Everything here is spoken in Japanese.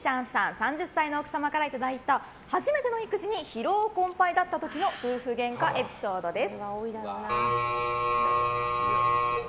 ３０歳の奥様からいただいた初めての育児に疲労困憊だった時の夫婦げんかエピソードです。